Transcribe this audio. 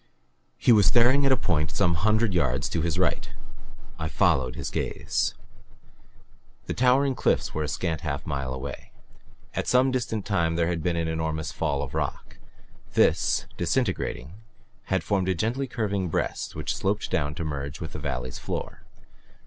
He was staring at a point some hundred yards to his right. I followed his gaze. The towering cliffs were a scant half mile away. At some distant time there had been an enormous fall of rock. This, disintegrating, had formed a gently curving breast which sloped down to merge with the valley's floor.